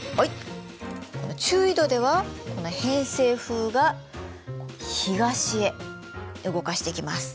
中緯度では偏西風が東へ動かしていきます。